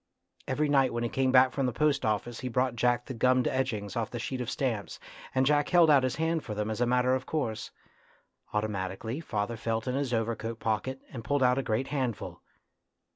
Every night when he came back from the post office he brought Jack the gummed edgings off the sheets of stamps, and Jack held out his hand for them as a matter of course. Automatically father felt in his overcoat pocket and pulled out a great handful.